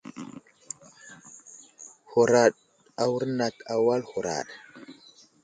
Huraɗ awurnat a wal huraɗ.